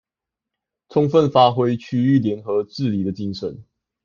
充分發揮區域聯合治理的精神